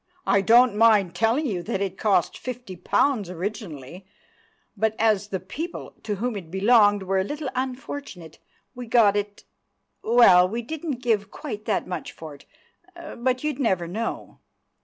I don't mind telling you that it cost fifty pounds originally, but as the people to whom it belonged were a little unfortunate, we got it—well, we didn't give quite that much for it; but you'd never know.